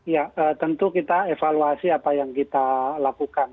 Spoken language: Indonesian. ya tentu kita evaluasi apa yang kita lakukan